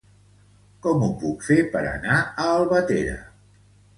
Com ho puc fer per anar a Albatera?